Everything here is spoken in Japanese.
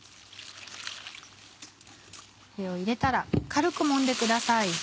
これを入れたら軽くもんでください。